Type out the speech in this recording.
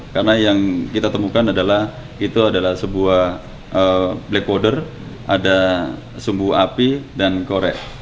karena yang kita temukan adalah itu adalah sebuah black border ada sumbu api dan korek